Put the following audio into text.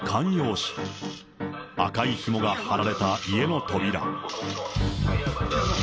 赤いひもが張られた家の扉。